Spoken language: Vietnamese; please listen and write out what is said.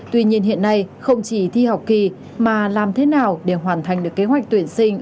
tuy nhiên hiện nay không chỉ thi học kỳ mà làm thế nào để hoàn thành được kế hoạch tuyển sinh